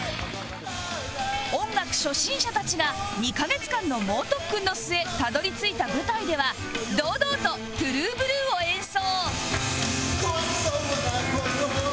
音楽初心者たちが２カ月間の猛特訓の末たどり着いた舞台では堂々と『ＴＲＵＥＢＬＵＥ』を演奏